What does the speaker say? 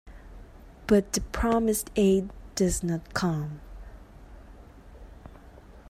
But the promised aid does not come.